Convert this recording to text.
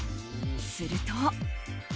すると。